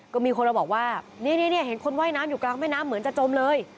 ก็มีคนมาบอกว่านี่เห็นคนว่ายน้ำอยู่กลางแม่น้ำเหมือนจะจมเลย